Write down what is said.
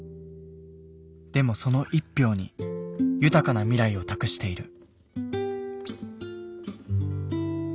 でもその１票に豊かな未来を託している。